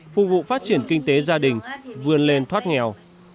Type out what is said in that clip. phục vụ phát triển kinh tế gia đình vươn lên thoát nghèo